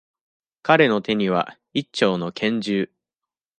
彼の手には、一丁の拳銃。